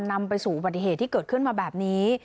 นำไปสู่ที่เกิดขึ้นมาแบบนี้